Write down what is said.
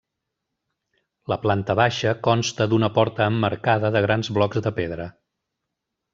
La planta baixa consta d'una porta emmarcada de grans blocs de pedra.